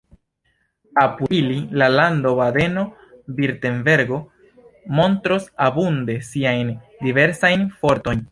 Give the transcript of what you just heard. Apud ili la lando Badeno-Virtenbergo montros abunde siajn diversajn fortojn.